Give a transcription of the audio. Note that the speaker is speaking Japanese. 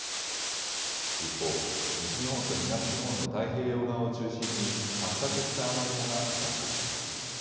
一方、西日本と東日本の太平洋側を中心に発達した雨雲がかかっています。